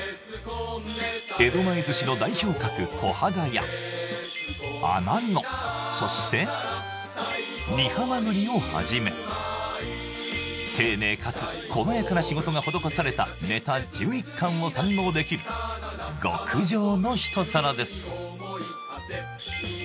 江戸前寿司の代表格コハダやそしてをはじめ丁寧かつ細やかな仕事が施されたネタ１１貫を堪能できる極上の一皿です